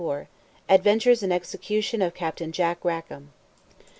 THE ADVENTURES AND EXECUTION OF CAPTAIN JOHN RACKAM.